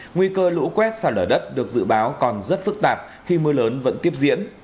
nguy cơ lũ quét xả lở đất được dự báo còn rất phức tạp khi mưa lớn vẫn tiếp diễn